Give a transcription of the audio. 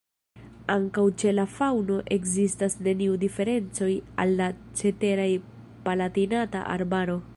Ankaŭ ĉe la faŭno ekzistas neniu diferencoj al la cetera Palatinata Arbaro.